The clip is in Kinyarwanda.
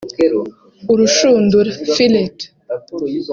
urushundura (Filet)